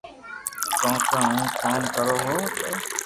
ڪون ڪو ھون ڪوم ڪرو تو